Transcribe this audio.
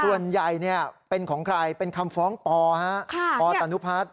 ส่วนใหญ่เป็นของใครเป็นคำฟ้องปตนุพัฒน์